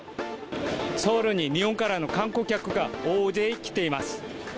ソウルに日本からの観光客が大勢来ています。